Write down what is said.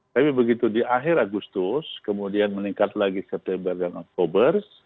tapi begitu di akhir agustus kemudian meningkat lagi september dan oktober